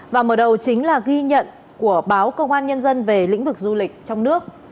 và mở đầu chính là ghi nhận của báo công an nhân dân về lĩnh vực du lịch trong nước